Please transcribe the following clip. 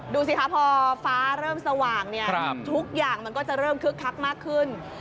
ดูสิคะพอฟ้าเริ่มสว่างเนี่ยทุกอย่างมันก็จะเริ่มคึกคักมากขึ้น